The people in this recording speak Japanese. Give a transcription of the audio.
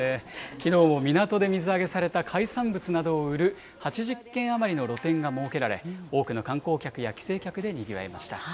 きのうも港で水揚げされた海産物などを売る８０軒余りの露店が設けられ、多くの観光客や帰省客でにぎわいました。